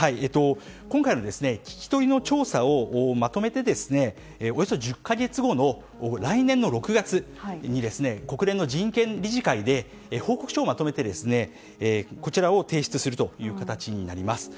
今回の聞き取りの調査をまとめておよそ１０か月後の来年６月に国連の人権理事会で報告書をまとめてこちらを提出するという形になります。